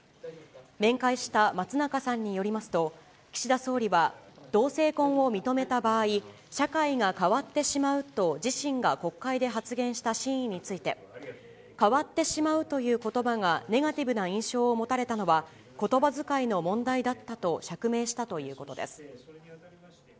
面会した松中さんによりますと、岸田総理は、同性婚を認めた場合、社会が変わってしまうと、自身が国会で発言した真意について、変わってしまうということばがネガティブな印象を持たれたのは、ことばづかいの問題だったと釈明したということです。